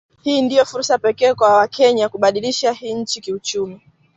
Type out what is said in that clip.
Hii ndio fursa pekee kwa wakenya kubadilisha hii nchi kiuchumi